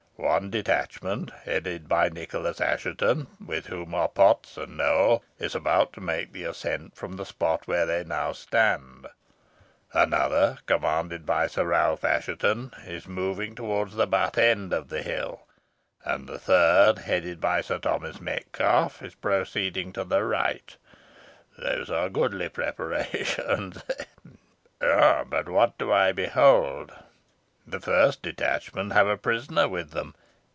One detachment, headed by Nicholas Assheton, with whom are Potts and Nowell, is about to make the ascent from the spot where they now stand; another, commanded by Sir Ralph Assheton, is moving towards the but end of the hill; and the third, headed by Sir Thomas Metcalfe, is proceeding to the right. These are goodly preparations ha! ha! But, what do I behold? The first detachment have a prisoner with them.